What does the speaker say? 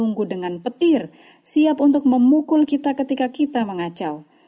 menunggu dengan petir siap untuk memukul kita ketika kita mengacau